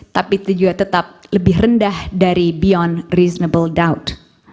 tapi itu juga tetap lebih rendah dari beyond reasonable doubt